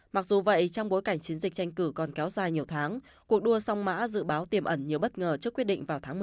mặc dù vậy trong bối cảnh chiến dịch tranh cử còn kéo dài nhiều tháng cuộc đua song mã dự báo tiềm ẩn nhiều bất ngờ trước quyết định vào tháng một